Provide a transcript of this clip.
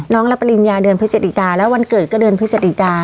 รับปริญญาเดือนพฤศจิกาแล้ววันเกิดก็เดือนพฤศจิกา